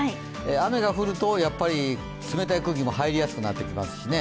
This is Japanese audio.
雨が降ると、冷たい空気も入りやすくなってきますしね。